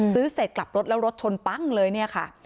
เสร็จกลับรถแล้วรถชนปั้งเลยเนี่ยค่ะ